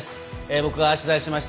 僕が取材しました